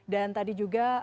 dan tadi juga